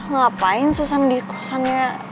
ngapain susan di kosannya